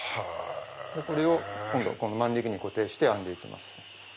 これを今度この万力に固定して編んで行きます。